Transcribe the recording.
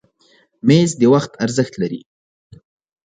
مېز د وخت ارزښت ښیي.